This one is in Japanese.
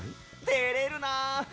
てれるな。